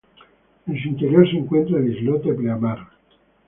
En su interior se encuentra el islote Pleamar.